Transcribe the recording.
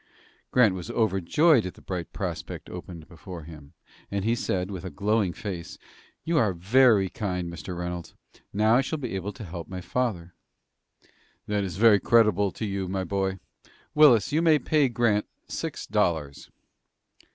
Grant was overjoyed at the bright prospect opened before him, and he said, with glowing face: "You are very kind, Mr. Reynolds. Now I shall be able to help my father." "That is very creditable to you, my boy. Willis, you may pay Grant six dollars."